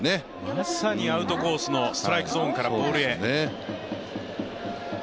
まさにアウトゾーンのストライクからボールへ。